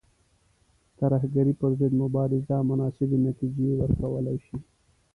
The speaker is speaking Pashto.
ترهګرۍ پر ضد مبارزه مناسبې نتیجې ورکولای شي.